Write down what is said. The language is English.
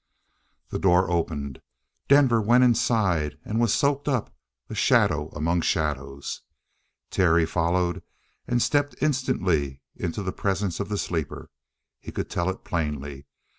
The door opened Denver went inside and was soaked up a shadow among shadows. Terry followed and stepped instantly into the presence of the sleeper. He could tell it plainly.